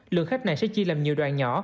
lượng khách này sẽ chia làm nhiều đoạn nhỏ